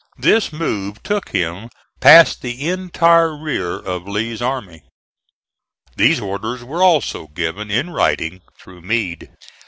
This move took him past the entire rear of Lee's army. These orders were also given in writing through Meade.